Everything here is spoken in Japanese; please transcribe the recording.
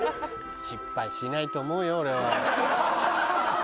失敗しないと思うよ俺は。